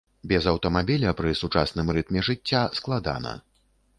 Без аўтамабіля пры сучасным рытме жыцця складана.